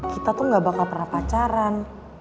kita tuh gak bakal pernah pacaran